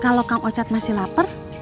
kalau kang ocat masih lapar